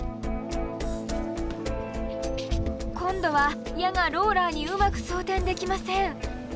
今度は矢がローラーにうまく装填できません。